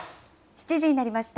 ７時になりました。